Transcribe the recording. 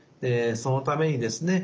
そのためにですね